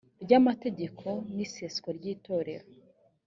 ry amategeko n iseswa ry itorero